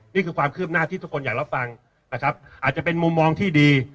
นี่คือความคืบหน้าที่ทุกคนอยากรับฟังนะครับอาจจะเป็นมุมมองที่ดี